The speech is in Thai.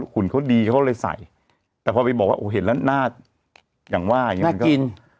ขุนเขาดีเขาเลยใส่แต่พอไปบอกว่าเห็นแล้วหน้าอย่างว่าหน้ากิน